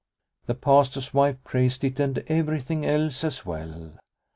The Pastor's wife praised it and everything else as well.